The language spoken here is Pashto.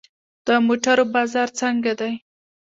د موټرو بازار څنګه دی؟